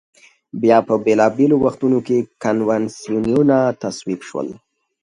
بیا په بېلا بېلو وختونو کې کنوانسیونونه تصویب شول.